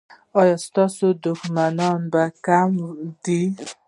ایا ستاسو دښمنان کم دي؟